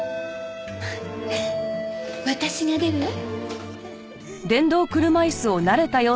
私が出るわ。